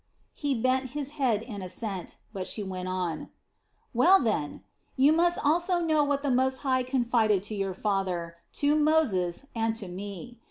He bent his head in assent; but she went on: "Well then, you must also know what the Most High confided to your father, to Moses, and to me.